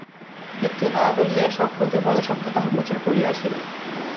কিন্তু না বলিয়া সক্রোধে পদশব্দে তাহা প্রচার করিয়া আসিল।